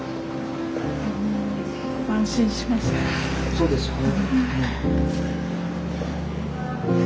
そうですよね。